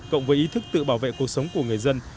cộng với ý thức tự bảo vệ cuộc sống của người dân